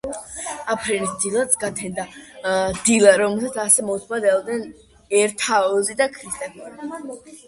აფრენის დილაც გათენდა. დილა, რომელსაც ასე მოუთმენლად ელოდნენ ერთაოზი და ქრისტეფორე.